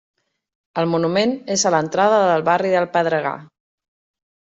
El monument és a l'entrada del barri del Pedregar.